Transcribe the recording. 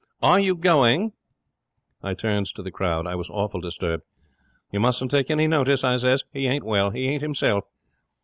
Are you going?" 'I turns to the crowd. I was awful disturbed. "You mustn't take any notice," I says. "He ain't well. He ain't himself."